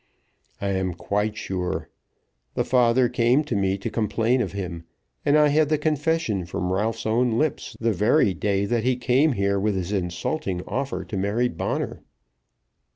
"I am quite sure. The father came to me to complain of him, and I had the confession from Ralph's own lips, the very day that he came here with his insulting offer to Mary Bonner."